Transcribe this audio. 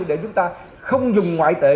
để chúng ta không dùng ngoại tệ